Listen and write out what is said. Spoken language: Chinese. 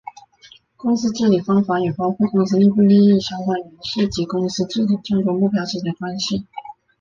公司治理方法也包括公司内部利益相关人士及公司治理的众多目标之间的关系。